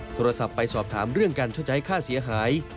โทรศัพท์ไปสอบถามเรื่องการชดใช้ค่าเสียหาย